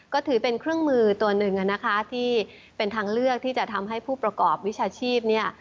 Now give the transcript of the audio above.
ก็ถือเป็นเครื่องมือตัวหนึ่งนะคะที่เป็นทางเลือกที่จะทำให้ผู้ประกอบวิชาชีพเนี่ย